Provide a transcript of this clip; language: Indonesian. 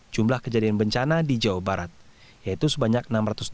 jumlah kejadian bencana di jawa barat yaitu sebanyak enam ratus delapan puluh